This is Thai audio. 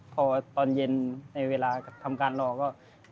พอตอนเย็นในเวลาทำการรอก็